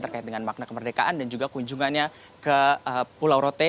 terkait dengan makna kemerdekaan dan juga kunjungannya ke pulau rote